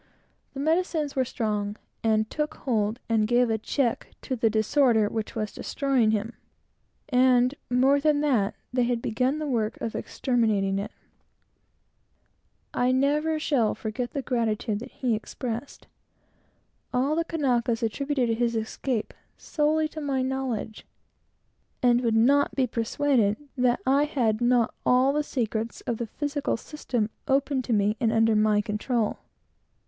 The medicines were strong, and took hold and gave a check to the disorder which was destroying him; and, more than that, they had begun the work of exterminating it. I shall never forget the gratitude that he expressed. All the Kanakas attributed his escape solely to my knowledge, and would not be persuaded that I had not all the secrets of the physical system open to me and under my control.